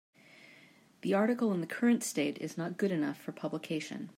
The article in the current state is not good enough for publication.